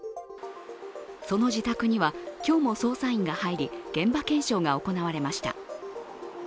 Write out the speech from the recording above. その自宅には、今日も捜査員が入り現場検証が行われました。